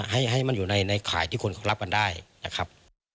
ให้มันอยู่ในข่ายที่คนเขารับกันได้นะครับ